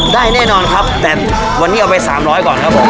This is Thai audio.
แน่นอนครับแต่วันนี้เอาไป๓๐๐ก่อนครับผม